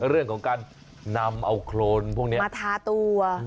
เรื่องของการนำเอาโครนพวกนี้มาทาตัว